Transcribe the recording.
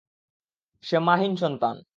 সে মা-হীন সন্তান।